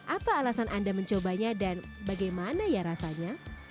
apa alasan anda mencobanya dan bagaimana ya rasanya